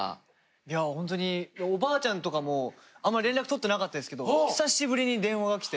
いやホントにおばあちゃんとかもあんま連絡取ってなかったんですけど久しぶりに電話がきて。